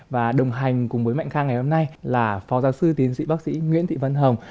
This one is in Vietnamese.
và đồng hành cùng với mạnh khang ngày hôm nay là phó giáo sư tiến sĩ bác sĩ nguyễn thị vân hồng